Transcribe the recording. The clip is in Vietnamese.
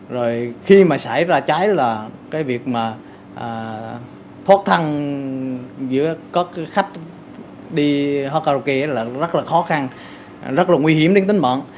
rồi khi mà xảy ra cháy là cái việc mà thoát thăng giữa các khách đi karaoke là rất là khó khăn rất là nguy hiểm đến tính mận